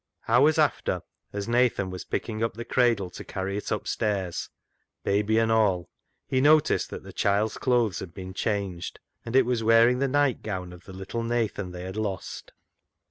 Hours after, as Nathan was picking up the cradle to carry it upstairs, baby and all, he noticed that the child's clothes had been changed, and it was wearing the night gown of the little Nathan they had lost.